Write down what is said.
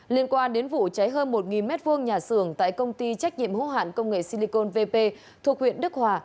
liên quan đến vụ cháy hơn một m hai nhà xưởng tại công ty trách nhiệm hữu hạn công nghệ silicon vp thuộc huyện đức hòa